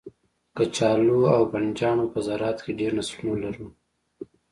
کچالو او بنجانو په زرعت کې ډیر نسلونه لرو